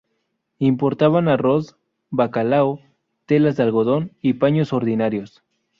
Importaban arroz, bacalao, telas de algodón y paños ordinarios.